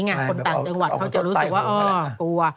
คนต่างจังหวัดเขาจะรู้สึกว่าเออกลัว